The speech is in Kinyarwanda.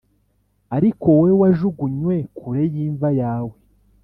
Ariko wowe wajugunywe kure y’imva yawe,